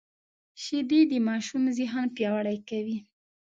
شیدې د ماشوم ذهن پیاوړی کوي